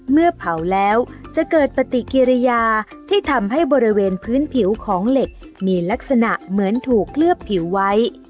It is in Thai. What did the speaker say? เมื่อเผาแล้วจะเกิดปฏิกิริยาที่ทำให้บริเวณพื้นผิวของเหล็กมีลักษณะเหมือนถูกเคลือบผิวไว้